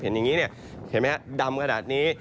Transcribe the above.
อย่างนี้เนี่ยเห็นไหมฮะดำขนาดนี้